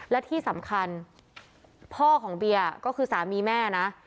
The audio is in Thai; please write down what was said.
และที่สำคัญพ่อของเบียร์ก็คือสามีแม่นะ